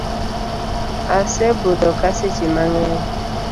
Asebudhoka seche mangeny.